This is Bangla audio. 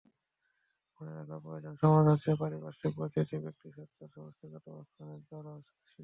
মনে রাখা প্রয়োজন, সমাজ হচ্ছে পারিপার্শ্বিক প্রতিটি ব্যক্তিসত্তার সমষ্টিগত অবস্থানের দ্বারা সৃষ্ট।